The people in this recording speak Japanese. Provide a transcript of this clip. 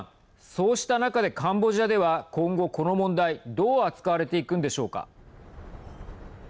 そうした中でカンボジアでは、今後この問題どう扱われていくんでしょうか。